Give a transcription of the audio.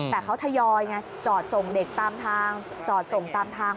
แต่เขาทยอยไงจอดส่งเด็กตามทางจอดส่งตามทาง